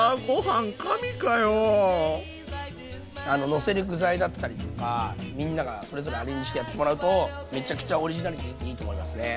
のせる具材だったりとかみんながそれぞれアレンジしてやってもらうとめちゃくちゃオリジナリティーあっていいと思いますね。